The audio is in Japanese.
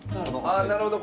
あっなるほど。